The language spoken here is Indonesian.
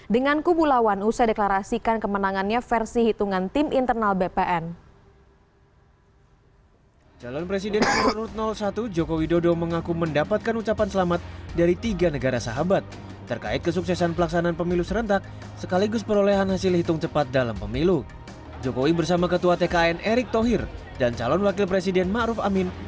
dengan kubu lawan usai deklarasikan kemenangannya versi hitungan tim internal bpn